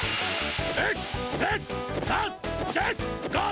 １２３４５６。